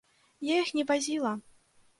Я іх не вазіла.